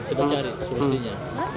kita cari solusinya